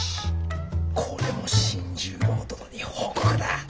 これも新十郎殿に報告だ。